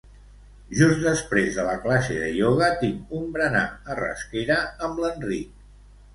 Just després de la classe de ioga tinc un berenar a Rasquera amb l'Enric.